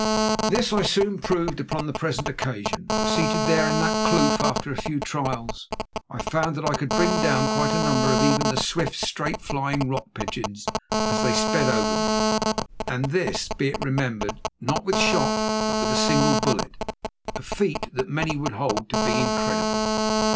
This I soon proved upon the present occasion, for seated there in that kloof, after a few trials, I found that I could bring down quite a number of even the swift, straight flying rock pigeons as they sped over me, and this, be it remembered, not with shot, but with a single bullet, a feat that many would hold to be incredible.